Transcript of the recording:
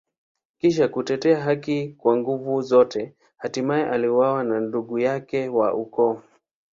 Kisha kutetea haki kwa nguvu zote, hatimaye aliuawa na ndugu yake wa ukoo.